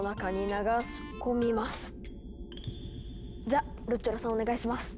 じゃルッチョラさんお願いします。